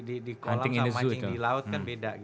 sama mancing di laut kan beda